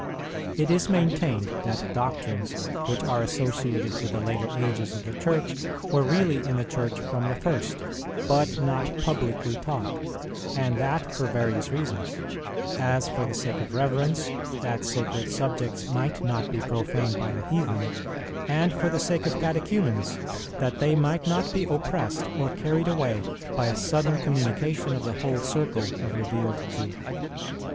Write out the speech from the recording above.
It is maintained that doctrines which are associated with the later ages of the Church were really in the Church from the first, but not publicly taught, and that for various reasons: as, for the sake of reverence, that sacred subjects might not be profaned by the heathen; and for the sake of catechumens, that they might not be oppressed or carried away by a sudden communication of the whole circle of revealed truth.